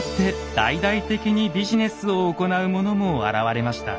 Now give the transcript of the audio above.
大々的にビジネスを行う者も現れました。